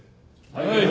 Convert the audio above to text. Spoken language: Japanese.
はい。